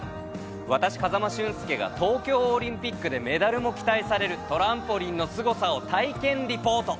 私、風間俊介が東京オリンピックでメダルも期待されるトランポリンのすごさを体験リポート。